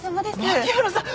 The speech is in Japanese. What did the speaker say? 牧村さん